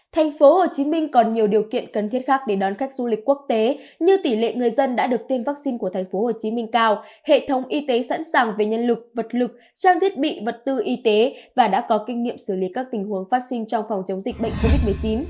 thành phố hồ chí minh còn nhiều điều kiện cần thiết khác để đón khách du lịch quốc tế như tỷ lệ người dân đã được tiên vaccine của thành phố hồ chí minh cao hệ thống y tế sẵn sàng về nhân lực vật lực trang thiết bị vật tư y tế và đã có kinh nghiệm xử lý các tình huống vaccine trong phòng chống dịch bệnh covid một mươi chín